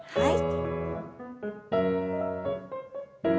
はい。